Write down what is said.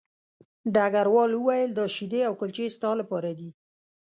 ډګروال وویل دا شیدې او کلچې ستا لپاره دي